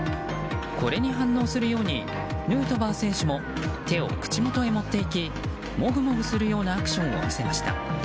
これに反応するようにヌートバー選手も手を口元へ持っていくもぐもぐするようなアクションを見せました。